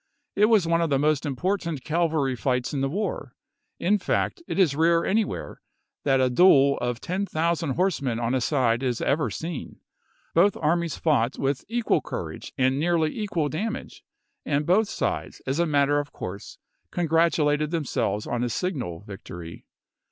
It was one 206 ABRAHAM LINCOLN ch. viii. of the most important cavalry fights in the war ; in fact, it is rare anywhere that a duel of 10,000 horse men on a side is ever seen. Both armies fought with equal courage and nearly equal damage, and both sides, as a matter of course, congratulated them selves od a signal victory.